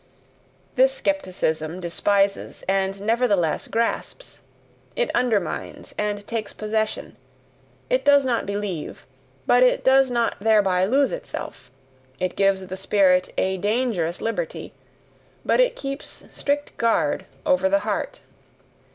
This skepticism despises and nevertheless grasps; it undermines and takes possession; it does not believe, but it does not thereby lose itself; it gives the spirit a dangerous liberty, but it keeps strict guard over the heart.